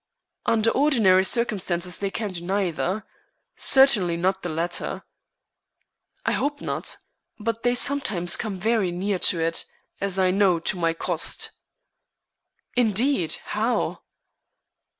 "Under ordinary circumstances they can do neither. Certainly not the latter." "I hope not. But they sometimes come very near to it, as I know to my cost." "Indeed! How?"